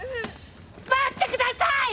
待ってください！